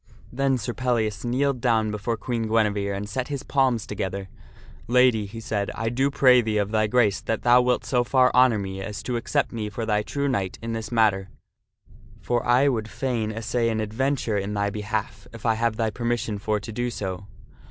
Then Sir Pellias kneeled down before Queen Guinevere, and set his palms together. " Lady," he said, " I do pray thee of thy grace that thou wilt so far honor me as to accept me for thy true knight in this mat i u U U ' f T Sir Petlia * as ~ ter. For I would fain assay an adventure in thy benaii it sumes t he ad have thy permission for to do so.